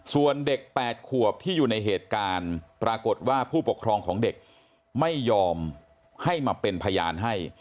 ส่วนเด็ก๘ขวบที่อยู่ในเหตุการณ์ปรากฏว่าผู้ปกครองของเด็กไม่ยอมให้มาเป็นพยานให้